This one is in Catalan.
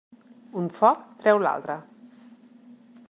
Un foc treu l'altre.